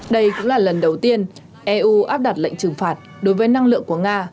đây cũng là lần đầu tiên eu áp đặt lệnh trừng phạt đối với năng lượng của nga